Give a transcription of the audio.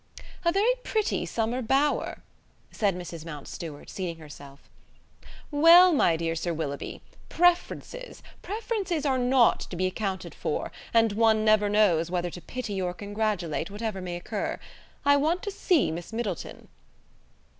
"A very pretty summer bower," said Mrs. Mountstuart, seating herself "Well, my dear Sir Willoughby, preferences, preferences are not to be accounted for, and one never knows whether to pity or congratulate, whatever may occur. I want to see Miss Middleton."